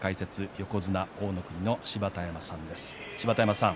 横綱大乃国の芝田山さんです。